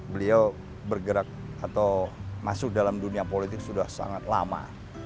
beliau bergerak atau masuk dalam dunia politik sudah sangat lama